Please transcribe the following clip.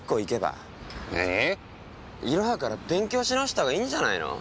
なにィ⁉イロハから勉強し直したほうがいいんじゃないの？